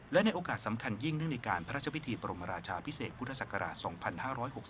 และในโอกาสสำคัญยิ่งเนื่องในการพระราชพิธีบรมราชาพิเศษพุทธศักราช๒๕๖๒